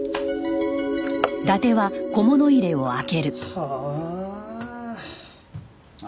はあ。